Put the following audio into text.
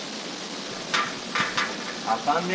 あかんね。